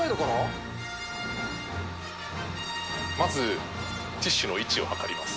まず、ティッシュの位置を測ります。